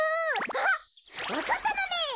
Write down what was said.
あっわかったのね！